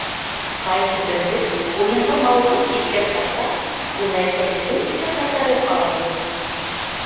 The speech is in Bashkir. Ҡайһы көндө, уйынға мауығып киткән саҡта, уны әсәһе көскә ҡайтарып ала ине.